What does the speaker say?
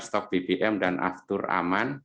stok bbm dan aftur aman